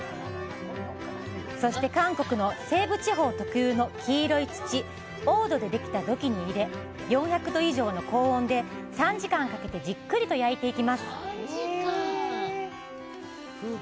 そして韓国の西部地方特有の黄色い土・黄土でできた土器に入れ４００度以上の高温で３時間かけてじっくりと焼いていきます